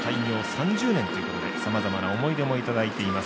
３０年ということでさまざまな思い出もいただいてます。